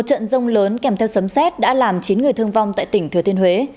trận rông lớn kèm theo sấm xét đã làm chín người thương vong tại tỉnh thừa thiên huế